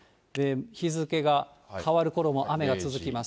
日付が変わるころも雨が続きます。